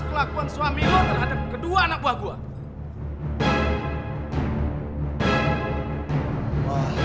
kelakuan suami lo terhadap kedua anak buah gue